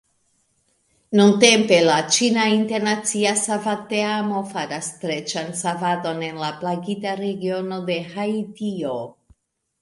Nuntempe, la ĉina internacia savadteamo faras streĉan savadon en la plagita regiono de Haitio.